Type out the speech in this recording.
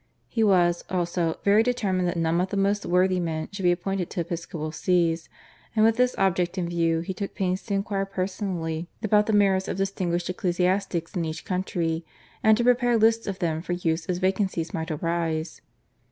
He was, also, very determined that none but the most worthy men should be appointed to episcopal sees, and with this object in view he took pains to inquire personally about the merits of distinguished ecclesiastics in each country, and to prepare lists of them for use as vacancies might arise.